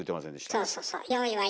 そうそうそう。